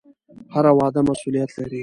هره وعده مسوولیت لري